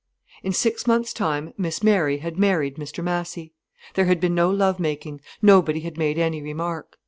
V In six months' time Miss Mary had married Mr Massy. There had been no love making, nobody had made any remark.